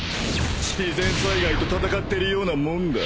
［自然災害とたたかってるようなもんだ］